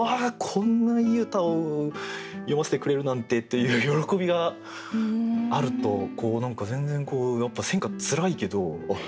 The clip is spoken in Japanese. こんないい歌を読ませてくれるなんて」っていう喜びがあると何か全然やっぱり選歌つらいけどあっ